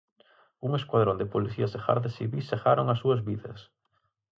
Un escuadrón de policías e gardas civís segaron as súas vidas.